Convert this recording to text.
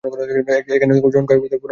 এখানে জনকয়েক পুরানো বন্ধুও আছেন।